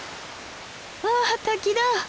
わあ滝だ。